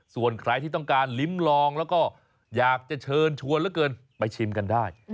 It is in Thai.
ส่วนใครที่ต้องการลิ้มลองแล้วก็อยากจะเชิญชวนเหลือเกินไปชิมกันได้